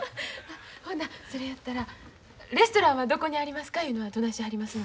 ほなそれやったらレストランはどこにありますかいうのはどないしはりますの？